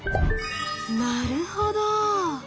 なるほど！